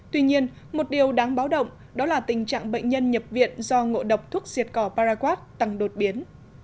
tuy nhiên một điều đáng báo động đó là tình trạng bệnh nhân nhập viện do ngộ độc thuốc diệt cỏ paraguad tăng đột biến